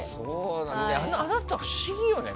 あなた、不思議よね。